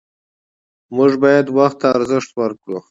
موږ باید وخت ته ارزښت ورکړو